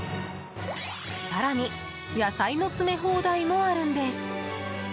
更に野菜の詰め放題もあるんです。